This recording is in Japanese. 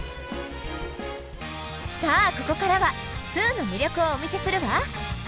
さあここからは「２」の魅力をお見せするわ！